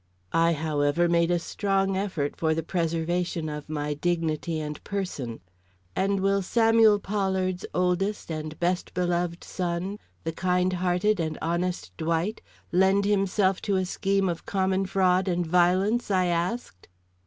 I however, made a strong effort for the preservation of my dignity and person. "And will Samuel Pollard's oldest and best beloved son, the kind hearted and honest Dwight, lend himself to a scheme of common fraud and violence?" I asked.